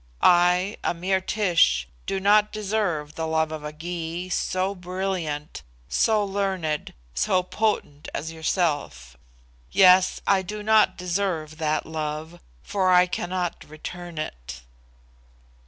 I, a mere Tish, do not deserve the love of a Gy, so brilliant, so learned, so potent as yourself. Yes, I do not deserve that love, for I cannot return it."